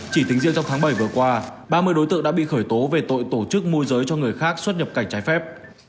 chỉ tính riêng trong tháng bảy vừa qua ba mươi đối tượng đã bị khởi tố về tội tổ chức môi giới cho người khác xuất nhập cảnh trái phép